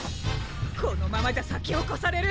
このままじゃさきをこされる！